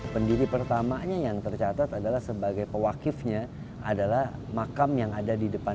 pendiri pertamanya yang tercatat adalah sebagai pewakifnya adalah makam yang ada di depan